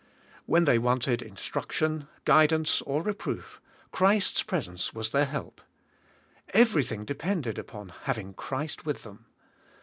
When they wanted instruction, g'uidance or reproof, Christ's presence was their help. Kverything* depended upon having Christ with them.